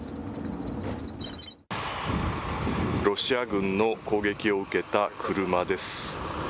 ロシア軍の攻撃を受けた車です。